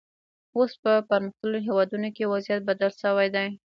اوس په پرمختللو هېوادونو کې وضعیت بدل شوی دی.